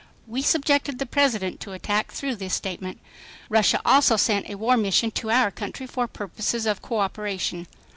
We subjected the President to attack through this statement. Russia also sent a war mission to our country for purposes of coöperation.